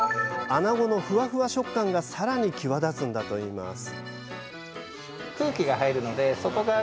あなごのふわふわ食感が更に際立つんだといいます